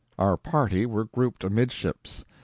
Our party were grouped amidships.